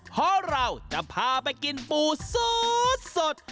เพราะเราจะพาไปกินปูสด